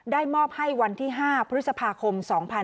มอบให้วันที่๕พฤษภาคม๒๕๖๒